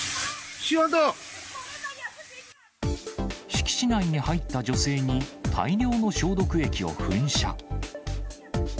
敷地内に入った女性に、大量の消毒液を噴射。